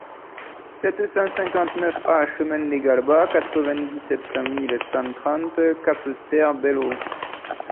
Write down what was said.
sept cent cinquante-neuf A chemin des Galbas, quatre-vingt-dix-sept mille cent trente Capesterre-Belle-Eau